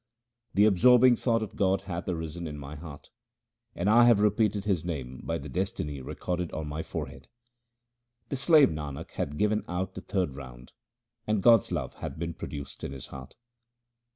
The absorbing thought of God hath arisen in my heart, and I have repeated His name by the destiny recorded on my forehead. The slave Nanak hath given out the third round, and God's love hath been produced in his heart.